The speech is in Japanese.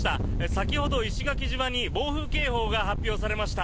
先ほど石垣島に暴風警報が発表されました。